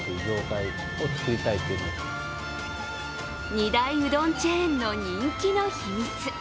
二大うどんチェーンの人気の秘密。